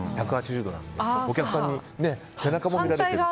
１８０度なのでお客さんに背中も見られる。